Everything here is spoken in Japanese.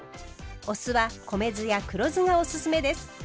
お酢は米酢や黒酢がおすすめです。